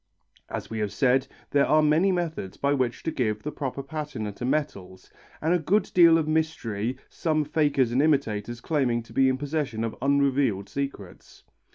As we have said, there are many methods by which to give the proper patina to metals, and a good deal of mystery, some fakers and imitators claiming to be in possession of unrevealed secrets.